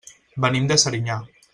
Venim de Serinyà.